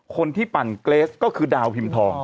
ปั่นเกรสก็คือดาวพิมพ์ทอง